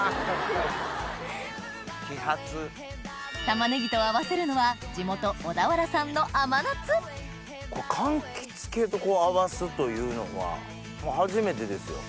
たまねぎと合わせるのは地元かんきつ系と合わすというのは初めてですよ。